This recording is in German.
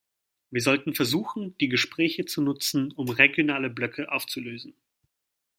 Wir sollten versuchen, die Gespräche zu nutzen, um regionale Blöcke aufzulösen.